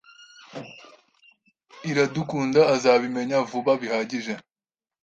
Iradukunda azabimenya vuba bihagije.